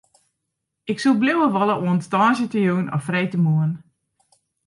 Ik soe bliuwe wolle oant tongersdeitejûn of freedtemoarn.